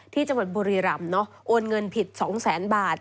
ที่จังหวัดบริรัมณ์โอนเงินผิด๒๐๐๐๐๐บาท